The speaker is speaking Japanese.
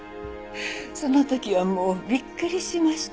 その時はもうびっくりしました。